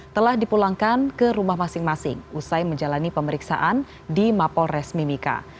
telah dipulangkan ke rumah masing masing usai menjalani pemeriksaan di mapolres mimika